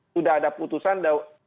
sudah ada putusan